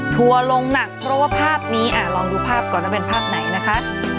ทัวร์ลงหนักเพราะว่าภาพนี้ลองดูภาพก่อนว่าเป็นภาพไหนนะคะ